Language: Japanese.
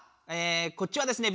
こっちはですね